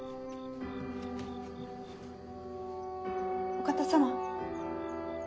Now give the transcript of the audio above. ・お方様。